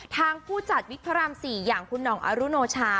ทางผู้จัดวิทย์พรรมสี่อย่างคุณหน่องอารุโนชา